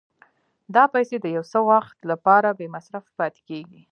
دا پیسې د یو څه وخت لپاره بې مصرفه پاتې کېږي